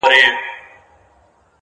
هغې ويل ته خو ضرر نه دی په کار-